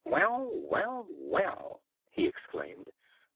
"Well, well, well!" he exclaimed.